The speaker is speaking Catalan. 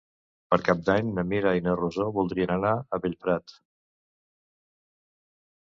Per Cap d'Any na Mira i na Rosó voldrien anar a Bellprat.